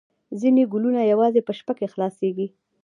ځینې ګلونه یوازې په شپه کې خلاصیږي